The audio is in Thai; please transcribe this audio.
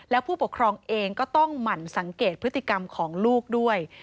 แล้วผู้ปกครองเองก็ต้องหมั่นสังเกตพฤติกรรมของลูกด้วย